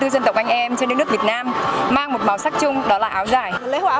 năm mươi bốn dân tộc anh em trên nước việt nam mang một màu sắc chung đó là áo dài